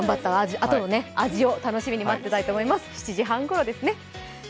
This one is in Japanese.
あとは味を待っていたいと思います。